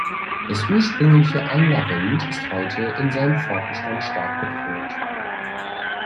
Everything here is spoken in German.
Das ursprüngliche Angler Rind ist heute in seinem Fortbestand stark bedroht.